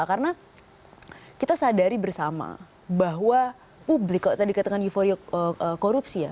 karena kita sadari bersama bahwa publik kalau tadi katakan euforia korupsi ya